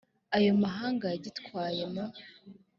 ayo mahanga yagitwaye mu